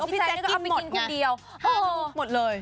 พี่แจ๊กก็เอาไปกินคนเดียว๕ลูกหมดเลย